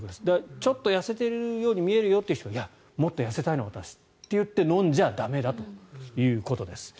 ちょっと痩せているように見えるという人がもっと痩せたいの、私って言って飲んじゃ駄目だということです。